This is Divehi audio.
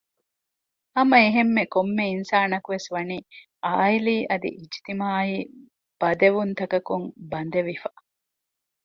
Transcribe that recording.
ހަމައެހެންމެ ކޮންމެ އިންސާނަކުވެސް ވަނީ ޢާއިލީ އަދި އިޖްތިމާޢީ ބަދެވުންތަކަކުން ބަނދެވިފަ